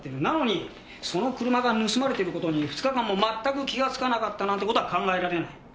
なのにその車が盗まれてる事に２日間もまったく気がつかなかったなんて事は考えられない。